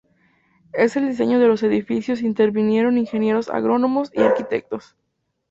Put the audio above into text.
En el diseño de los edificios intervinieron ingenieros agrónomos y arquitectos.